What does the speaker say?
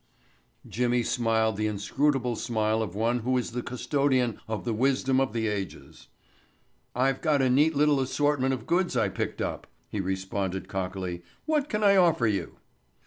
Jimmy smiled the inscrutable smile of one who is the custodian of the wisdom of the ages. "I've got a neat little assortment of goods I picked up," he responded cockily. "What can I offer you?"